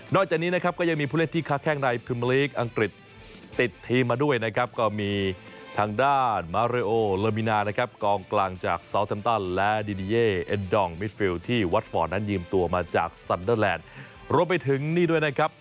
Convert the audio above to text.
จากนี้นะครับก็ยังมีผู้เล่นที่ค้าแข้งในพิมลีกอังกฤษติดทีมมาด้วยนะครับก็มีทางด้านมาเรโอเลอร์มินานะครับกองกลางจากซาวแทมตันและดิดีเย่เอ็นดองมิฟิลที่วัดฟอร์ตนั้นยืมตัวมาจากซันเดอร์แลนด์รวมไปถึงนี่ด้วยนะครับ